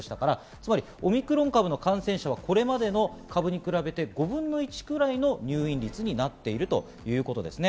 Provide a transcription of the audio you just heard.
つまりオミクロン株の感染者、これまでの株に比べて５分の１くらいの入院率になっているということですね。